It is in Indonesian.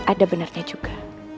ada benarnya juga